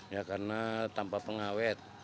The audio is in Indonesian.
ya karena tanpa pengawet